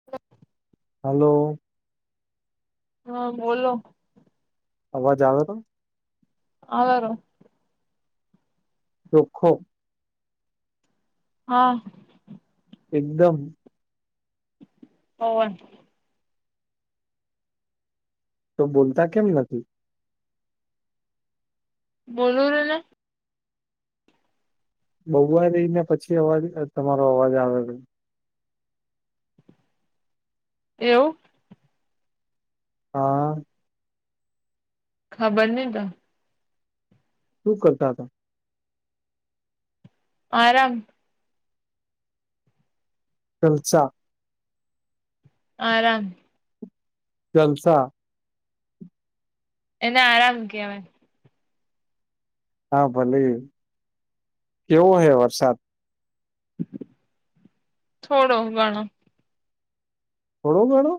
હ હલો! હા બોલો? અવાજ આવે છે.? આવે છે. ચોખ્ખો? હા એકદમ? હો તો બોલતા કેમ નથી? બોલું છુ ને બહવા રઈને પછી અવાજ તમારો અવાજ આવેલો. એવું? હા ખબર નને તો, શું કરતા હતા? આરામ જલસા આરામ જલસા એના આરામ કેવાય. હા ભલે કેવો હે વરસાદ? [unintelligible] થોડો ઘણો થોડો ઘણો?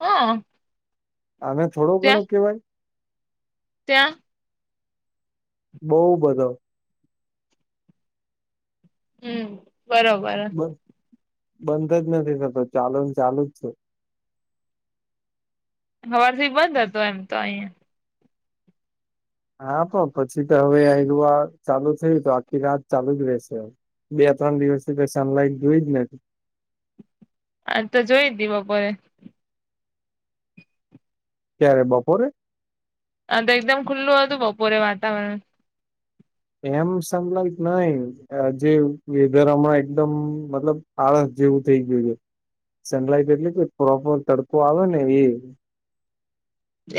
હા આને થોડો ઘણો કેવાય? ત્યાં? બઉ બધો હમ બરોબર બંધ જ નથી થતો ચાલ ચાલુ જ છે. હવારથી બંધ હતું એમ તો અહીયાં. હા પણ પછી તો હવે આઆ ચાલુ થયું તો આખી રાત ચાલુ જ રહેશે હવે બે ત્રણ દિવસ થી ત સનલાઈટ જોઈ જ નઇ. આ તો જોઈ દી બપોરે. ક્યારે બપોરે. અ એકદમ ખુલ્લું હતું બપોરે વાતાવરણ એમ સનલાઈટ નઈ જે વેધર હમણાં એકદમ મતલબ આળસ જેવું થઈ ગયું છે સનલાઈટ એટલે કે પ્રોપર તડકો આવે ને એ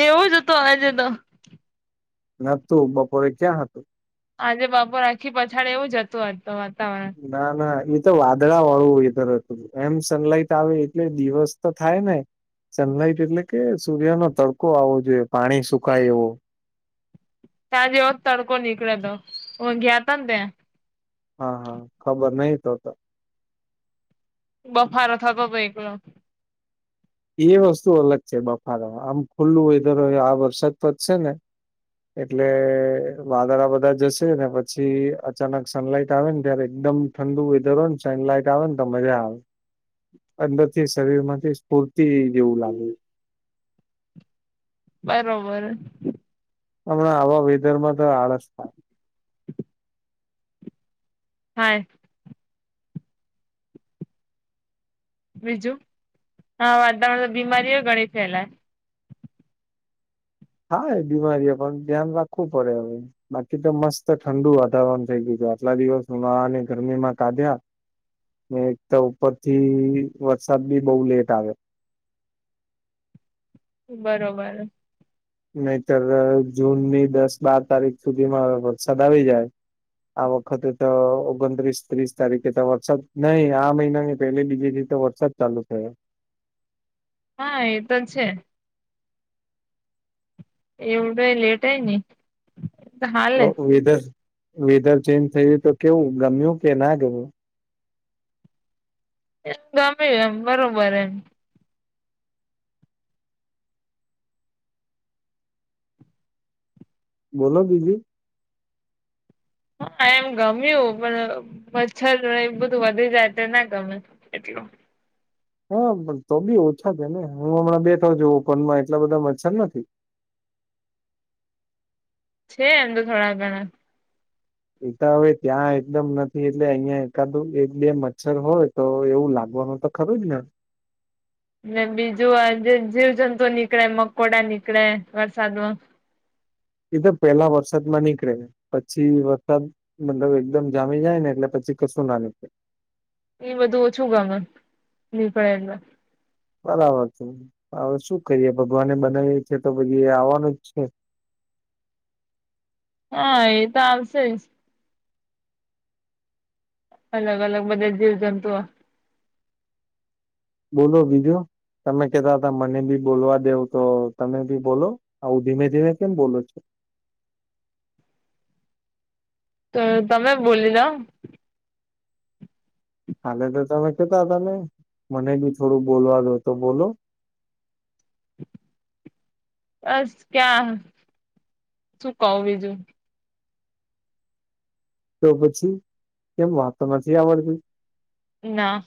એવો જ હતો આજે તો, નતું બપોરે ક્યાં હતું? આજે બાપો રાખી પછાડે એવું જતું આ વાતાવરણ ના ના એ તો વાદળા વાળું વેધર હતું એમ સનલાઈટ આવે એટલે દિવસ તો થાય ને સનલાઈટ એટલે કે સૂર્ય નો તડકો આવવો જોઈએ પાણી સુકાય એવો ત્યા જેવો તડકો નીકળે હતો હ ગયા હતા ને ત્યાં હા હા ખબર નહિ તો તો બફારો થતો ભ એકલો. એ વસ્તુ અલગ છે બફારામાં આમ ખુલ્લું હોય ધરય આ વરસાદ તો જ છે ને એટલે વાદળા બધા જશે ને પછી અચાનક સનલાઈટ આવેને ત્યારે એકદમ ઠંડુ વેધર હોય ને સનલાઈટ આવે ને તો મજા આવે અંદર થી શરીર માંથી પૂરતી દવું લાગે. બરોબર. હમણાં આવા વેધર માં તો આળસ થાય. હા. બીજું હા વાતારણ બીમારીઓ ગણી છે ફેલાય હા એ બીમારીઓ પણ ધ્યાન રાખવું પડે હવે. બાકી તો મસ્ત ઠંડુ વાતારણ થઈ ગયું હતું આટલા દિવસ ઉન્હાળા ની ગરમીમાં કાઢ્યા મે એક તો ઉપરથી વરસાદ બી બઉુ લેટ આવે. બરોબર. નહીતર જૂનની દસ બાર તારીખ સુધી માં વરસાદ આવી જાય આ વખતે તો ઓગણત્રીસ ત્રીસ તારીખે તો વરસાદ નહી આ મહિનાની પેલી બીજી થીતે વરસાદ સાદ ચાલુ થ હા એતો જ છે. એવું ઉડાઈ લેટય ને તો વેધર વેધર ચેન્જ થયું તો કેવું ગમ્યું કે ના ગમું. ગમે એમ બરોબર એમ બોલો દીદી. હા એમ ગમ્યું પણ મચ્છર એ બધું વધી જાય તો ના ગમે એટલો હા તો બી ઓછા છે ને હું હમણાં બે થ જોપનમાં એટલા બધા મચ્છર નથી. છે એમ તો થોડા ઘણા. એતા હવે ત્યાં એકદમ નથી એટલે અહિયાં એકાદું એક બે મચ્છર હોય. તો એવું લાગવાનું તો ખરુ જ ને બીજું જે જીવજંતુ નીકળે મકોડા નીકળે વરસાદમાં એ તો પહેલા વરસાદ માં નીકળે. પછી વરસાદ મતલબ એકદમ જામી જાય ને એટલે પછી કશું ના નીકળે એ બધું ઓછું ગમે નિનીફળેમાં બરાબર છે હવે શું કરીએ ભગવાને બનાવીએ છે તો પછી આવવાનું જ છે. હા એ તો આવશે જ અલગ અલગ બધે જીવ જંતુ બોલો બીજું તમે કેતા હતા મને બી બોલવા દેવ તો તમે બી બોલો આવું ધીમે ધીમે કેમ બોલો છે. તો તમે બોલી જાઓ કાલે તો તમે કેતા તાને મને બી થોડું બોલવાલો તો બોલો બસ ક્યાં શું કવ બીજું તો પછી કેમ વાતો નથી આવડતી ના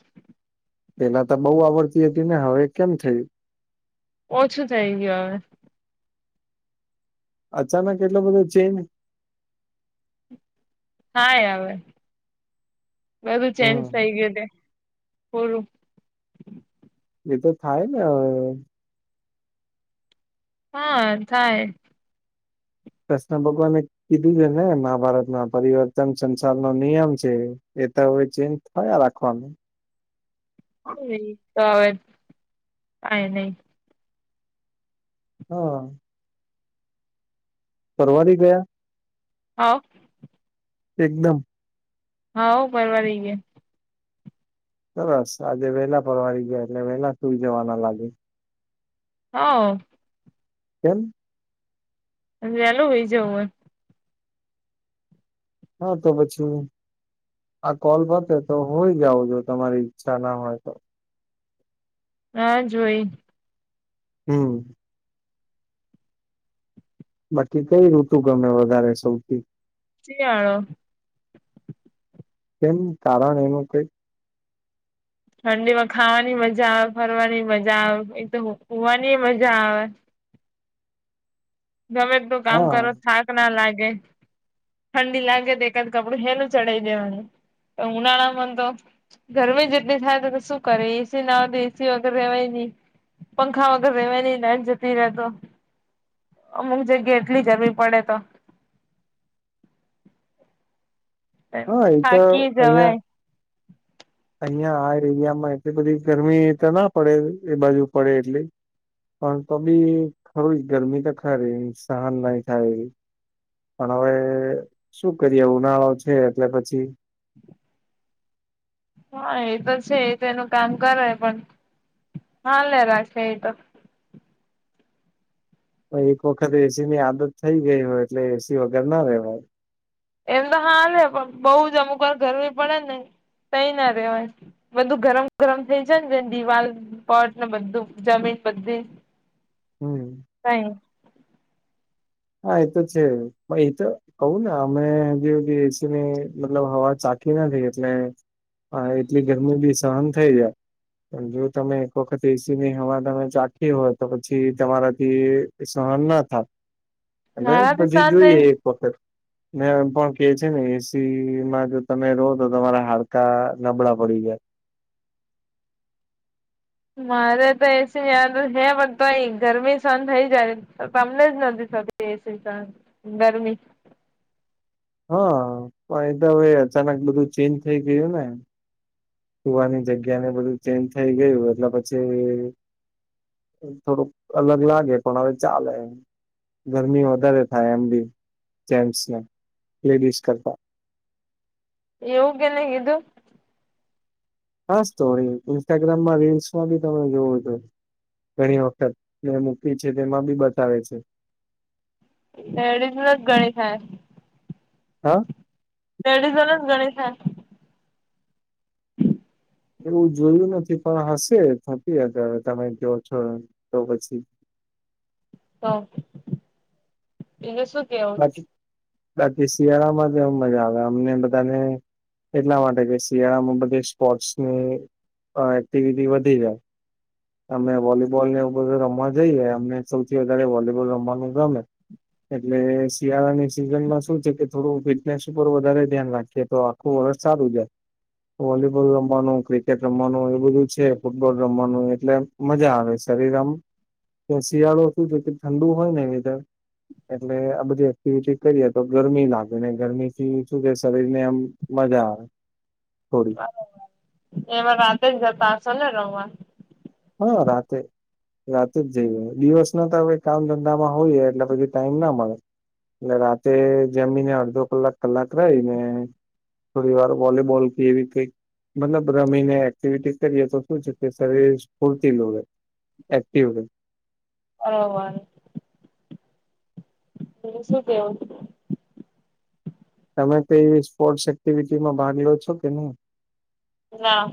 પહેલા તો બહુ આવડતી હતી ને હવે કેમ થયું. ઓછું થઈ ગયું હવે. અચાનક એટલો બધો ચેન્જ. હા આવે બધું ચેન્જ થઈ હમ ગયું પોડું એ તો થાય ને હા થાય‌. કૃષ્ણ ભગવાને કીધું છે ને મહાભારતમાં પરિવર્તન સંસાર નો નિયમ છે. એ તો હોય છે [unintelligible] તો હવે કાઈ નય હા પરવારી ગયા હા એકદમ હાવ પરવારી ગ્યા સરસ આજે વહેલા પરવાડી ગયા એટલે વહેલા સુઈ જવાના લાગે હા કેમ વેલું હુઈ જવું હે હા તો પછી આ કોલ પતે તો હોય જાવ જો તમારી ઈચ્છા ના હોય તો હા જોઈ હમ્મ. બાકી કઈ ઋતુ ગમે વધારે સૌથી શિયાળો કેમ કારણ એનું કઈ ઠંડી માં ખાવાની મજા આવે ફરવાની મજા આવે એ તો હુંવાની મજા આવે ગમે તું કામ હા કરો થાક ના લાગે ઠંડી લાગે તો એકાદ કપડું હેનું ચડાય દેવાનું પણ ઉનાળા માં તો ગરમી જ એટલી થાય તો શું કરે એસી ના હો તો એસી વગેર રેવાય ની પંખા વગર રેવાય ની લાઈટ જતી રે તો અમુક જગ્યા એટલી ગરમી પડે તો હા એ તો થાકી અહિયા જવાય અહિયાં આ એરિયામાં એટલી બધી ગરમી તો ના પડે એ બાજુ પડે એટલે પણ તો બી ખરું ગરમી તો ખરી સહન નઈ થાય પણ હવે શું કરીએ ઉનાળો છે એટલે પછી હા એ તો છે એ તેનું કામ કરે પણ હાલે રાખે એ તો એક વખત એસી ની આદત થઈ ગઈ હોય એટલે એસી વગર ના રેવાય એમ તો હાલે પણ બહુ જ અમુક વાર ગરમી પડે ને તઈ ના રેવાય બધું ગરમ ગરમ થઈ જાય ને દિવાલ પટ ને બધું જમીન બધી હમ્મ. તઈ હા એ તો છે પ એ તો કહું ને અમે જે એસી ની મતલબ હવા ચાખી નથી એટલે હા એટલી ગરમી બી સહન થઈ જાય. જો તમે એક વખત એસીની હવા તમે ચાખી હોય તો પછી તમારાથી સહન ના થ અને મારાથી પછી શાંત રહી જોઈએ એક વખત ને એમ પણ કે છે ને એસી માં જો તમે રહો તો તમારા હાડકા નબળા પડી ગયા. મારે તો એસી હે પણ તો ગરમી શન થઇ જાય તો તમને જ નથી થતી. તે સ ત ગરમી હા પણ એ તો હવે અચાનક બધું ચેન્જ થઈ ગયું ને, કુવાની જગ્યા ને બધું ચેન્જ થઈ ગયું એટલે પછી થોડુંક અલગ લાગે પણ હવે ચાલે ગરમી વધારે થાય એમ બી જેન્ટસને લેડીસ કરતા એવું કેને હિધૂ હાસ તો ઇન્સ્ટાગ્રામમાં રીલ્સમાં બી તમે જોવો છો ઘણી વખત મે મૂકી છે તેમાં બી બતાવે છે. એડી ના જ ગણી થાય હા. લેડીઝોને જ ઘણી થાય એવું જોયું નથી પણ હશે થતી હસે તમે ક્યો છો એમ તો પછી તો એટલે સુું? બાકી બાકી શિયાળા માં જેવુ મજા આવે અમને બધાને એટલા માટે કે શિયાળામાં બધી સ્પોર્ટસ ની એક્ટિવિટી વધી જાય. અમે વોલીબોલ ને એવું બધું રમવા જઈએ અમને સૌથી વધારે વોલીબોલ રમવાનું ગમે. એટલે શિયાળાની સિઝન માં શું છે કે થોડું ફિટનેસ ઉપર વધારે ધ્યાન રાખીએ તો આ ખુ સારું જાય. વોલીબોલ રમવાનું, ક્રિકેટ રમવાનું એ બધું છે, ફૂટબોલ રમવાનું એટલે મજા આવે શરીર આમ કે શિયાળો શું જો કે ઠંડુ હોય ને વેધર એટલે આ બધી એક્ટિવિટી કરીએ તો ગરમી લાગે ને ગરમી થી શું છે શરીર ને આમ મજા આવે. થોડી એમાં રાતે જ જતા હશો ને રમવા? હા રાતેે. રાતે જઈએ દિવસ ના તો હવે કામ ધંધામાં હોયએ એટલે પછી ટાઈમ ના મળે એટલે રાતે જમીને અડધો કલાક કલાક રહી ને થોડી વાર વોલીબોલ કે એવી કઈ મતલબ રમીને એક્ટિવિટી કરીએ તો શું છે કે શરીર? સ્ફુર્તિ લો એક્ટિવ રે ઓ [unintelligible] તમે શું કેવ? તમે તો એવી સ્પોર્ટ્સ એક્ટિવિટીમાં ભાગ લો છો કે નહી? ના.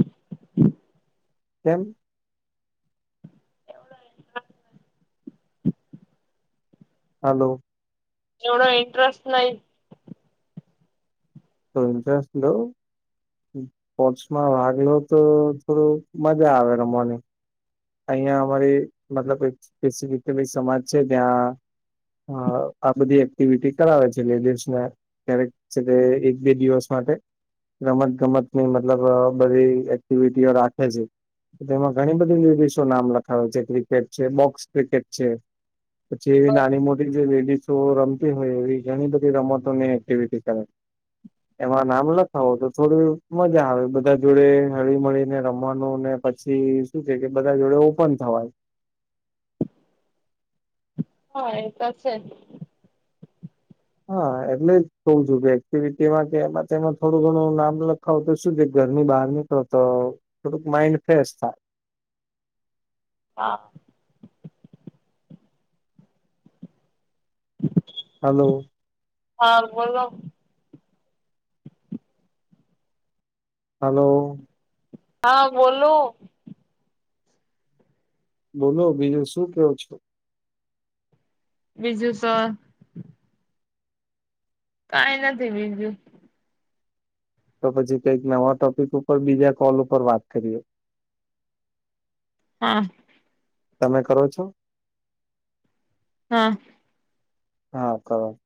કેમ? હલો. એવડો ઇન્ટરેસ્ટ નઈ. તો ઇન્ટરેસ્ટ લો. સ્પોર્ટ્સમાં ભાગ લો તો થોડું મજા આવે રમવાની. અહિયાં અમારી મતલબ સપેસીફીકલી સમાજ છે, ત્યાં હ આ બધી એક્ટિવિટી કરાવે છે, લેડીઝ ને ક્યારેક છે એક બે દિવસ માટે રમત ગમતની મતલબ બધી એક્ટિવિટીઓ રાખે છે. તેમાં ઘણી બધી નામ લખાવે છે ક્રિકેટ છે, બોક્સ ક્રિકેટ છે, પછી એવી નાની મોટી જે લેડીઝ તો રમતી હોય એવી ઘણી બધી રમતોની એક્ટિવિટી કરે. એમાં નામ લખાવ હો તો થોડી મજા આવે, બધા જોડે હળી મળીને રમવાનું ને પછી શું છે, કે બધા જોડે ઓપન થવાય. હા એ તો છેજ. હા એટલે જ કઉ છું કે એક્ટિવિટીમાં કે એમાં તેમાં થોડું ઘણું નામ લ ખ તો શું છે, ઘરની બહાર નીકળો તો થોડુંક માઈન્ડ ફ્રેશ થાય. હા. હલો. હા બોલો. હલો. ! હા બોલો.? બોલો બીજું શું કેવો છો? બીજું સર.? કઈ નથી બીજું. તો પછી કઈક નવા ટોપિક ઉપર બીજા કોલ ઉપર વાત કરીએ. હા તમે કરો છો? હા. હા કોહો.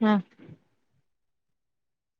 હા.